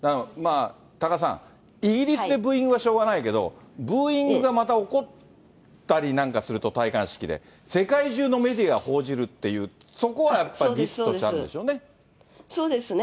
多賀さん、イギリスでブーイングはしょうがないけど、ブーイングがまた起こったりなんかすると、戴冠式で、世界中のメディアが報じるっていう、そこはやっぱりリそうですね。